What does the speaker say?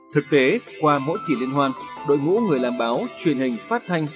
thực tế qua mỗi kỳ liên hoan đội ngũ người làm báo truyền hình phát thanh